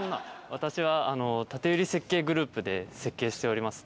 私は建売設計グループで設計しております